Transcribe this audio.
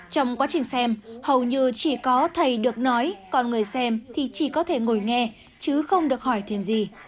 trong quá trình xem hầu như chỉ có thầy được nói còn người xem thì chỉ có thể ngồi nghe chứ không được hỏi thêm gì